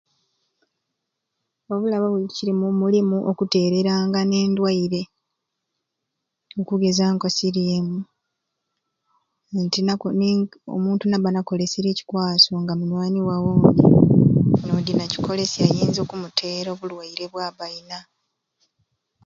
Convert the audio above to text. Obulabe obukirimu mulimu okutererengana endwaire okugenza nko sirimu nti na ni omuntu naba nakolesery ekikwaso nga munywani wa wondi nodi nakikolesya ayinza oku muteera obulwaire bwaba ayina